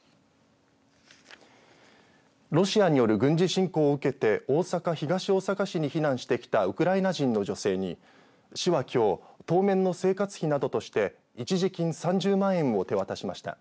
ロシアによる軍事侵攻を受けて大阪・東大阪市に避難してきたウクライナ人の女性に市はきょう当面の生活費などとして一時金３０万円を手渡しました。